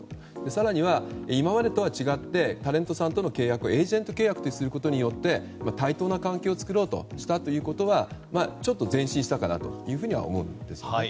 更には、今までとは違ってタレントさんとの契約をエージェント契約とすることによって対等な関係を作ろうとしたということはちょっと前進したかなと思うんです。